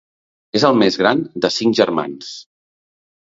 És el més gran de cinc germans.